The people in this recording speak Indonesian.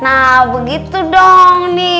nah begitu dong nih